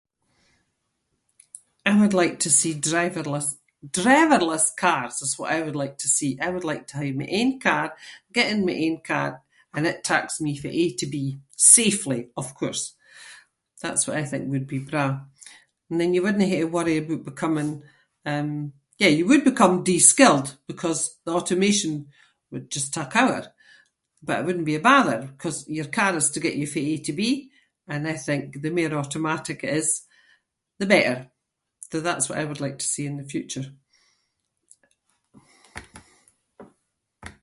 I would like to see driverless- driverless cars is what I would like to see. I would like to hae my own car, get in my own car and it takes me fae A to B, safely of course. That’s what I think would be braw. And then you wouldnae hae to worry aboot becoming, um- yeah, you would become de-skilled because the automation would just take over but it wouldn’t be a bother ‘cause your car is to get you fae A to B and I think the mair automatic it is the better. So, that’s what I would like to see in the future.